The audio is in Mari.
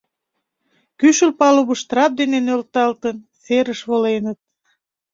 Кӱшыл палубыш трап дене нӧлталтын, серыш воленыт.